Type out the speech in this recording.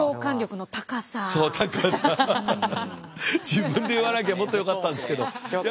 自分で言わなきゃもっとよかったんですけど。